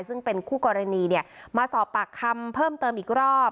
ซึ่งเป็นคู่กรณีเนี่ยมาสอบปากคำเพิ่มเติมอีกรอบ